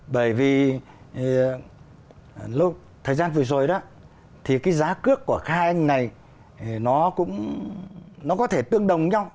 bởi vì lúc thời gian vừa rồi đó thì cái giá cước của hai anh này nó cũng có thể tương đồng nhau